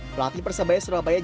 pelatih persebaya surabaya